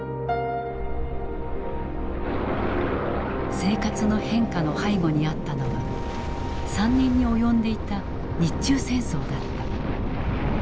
生活の変化の背後にあったのは３年に及んでいた日中戦争だった。